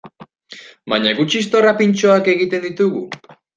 Baina guk txistorra pintxoak egiten ditugu?